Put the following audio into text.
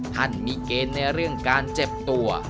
ท่านมีเกณฑ์ในเรื่องการเจ็บตัว